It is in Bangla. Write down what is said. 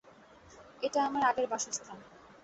এটা আমার আগের বাসস্থান।